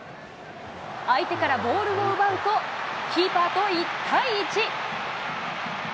相手からボールを奪うと、キーパーと１対１。